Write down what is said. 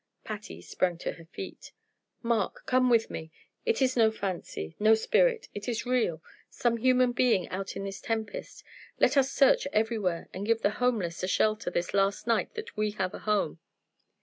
Patty sprung to her feet. "Mark, come with me! It is no fancy no spirit. It is real; some human being out in this tempest. Let us search everywhere, and give the homeless a shelter this last night that we have a home."